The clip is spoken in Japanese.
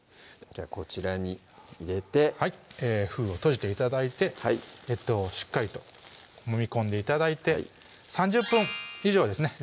こちらに入れて封を閉じて頂いてしっかりともみ込んで頂いて３０分以上ですね